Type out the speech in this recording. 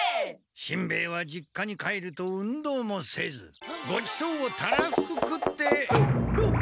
しんべヱは実家に帰ると運動もせずごちそうをたらふく食って。